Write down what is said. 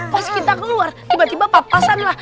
pas kita keluar tiba tiba papasan lah